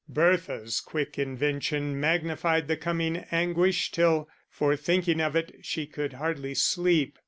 Bertha's quick invention magnified the coming anguish till, for thinking of it, she could hardly sleep.